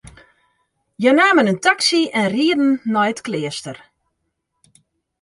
Hja namen in taksy en rieden nei it kleaster.